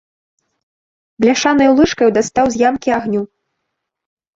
Бляшанаю лыжкаю дастаў з ямкі агню.